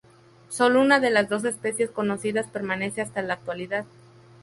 Solo una de las dos especies conocidas permanece hasta la actualidad.